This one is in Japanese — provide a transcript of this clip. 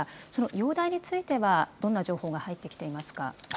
その容体については、どんな情報が入ってきていますか。